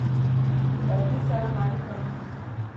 له دوی سره مو اړیکه ونیوله.